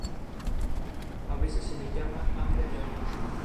En un principio, el programa contaba con dos partes diferenciadas.